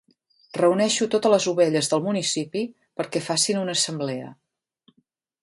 Reuneixo totes les ovelles del municipi perquè facin una assemblea.